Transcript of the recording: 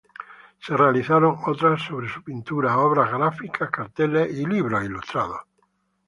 Se realizaron otras sobre su pintura, obra gráfica, carteles y libros ilustrados.